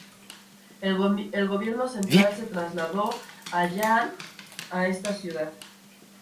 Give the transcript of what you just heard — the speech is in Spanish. El gobierno central se trasladó a Yan'an a esta ciudad.